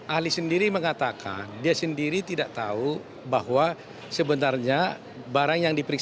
ahli sendiri mengatakan dia sendiri tidak tahu bahwa sebenarnya barang yang diperiksa